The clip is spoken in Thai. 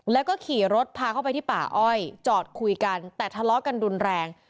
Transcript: แล้วก็ขี่รถพาเข้าไปที่ป่าอ้อยจอดคุยกันแต่ทะเลาะกันรุนแรง